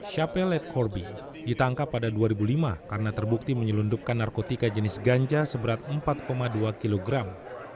shapel led corby ditangkap pada dua ribu lima karena terbukti menyelundupkan narkotika jenis ganja seberat empat dua kilogram